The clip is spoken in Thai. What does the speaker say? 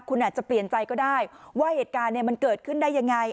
คุณอาจจะเปลี่ยนใจก็ได้ว่าเหตุการณ์มันเกิดขึ้นได้ยังไง